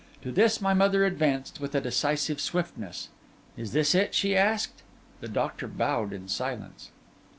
To this my mother advanced with a decisive swiftness. 'Is this it?' she asked. The doctor bowed in silence.